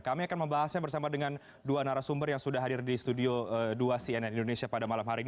kami akan membahasnya bersama dengan dua narasumber yang sudah hadir di studio dua cnn indonesia pada malam hari ini